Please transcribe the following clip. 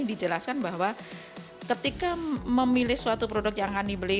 dijelaskan bahwa ketika memilih suatu produk yang akan dibeli